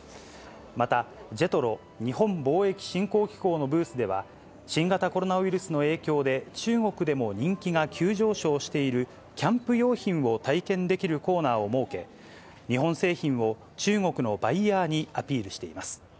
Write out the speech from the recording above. また、ＪＥＴＲＯ・日本貿易振興機構のブースでは、新型コロナウイルスの影響で中国でも人気が急上昇しているキャンプ用品を体験できるコーナーを設け、日本製品を中国のバイヤーにアピールしています。